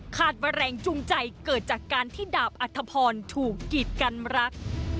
ว่าแรงจูงใจเกิดจากการที่ดาบอัธพรถูกกีดกันรัก